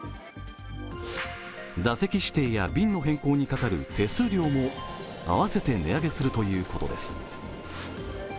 座席指定や便の変更にかかる手数料も合わせて値上げするということです。